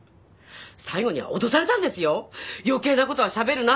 最後には脅されたんですよ「よけいなことはしゃべるな！」